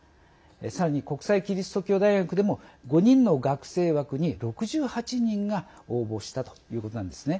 さらに、国際基督教大学でも５人の学生に６８人が応募したということなんですね。